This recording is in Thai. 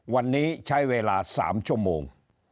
วันนี้ใช้เวลา๓ชั่วโมง